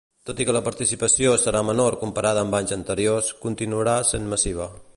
Tot i que la participació serà menor comparada amb anys anteriors, continuarà sent massiva.